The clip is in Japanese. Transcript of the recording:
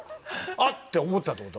あ！って思ったってこと？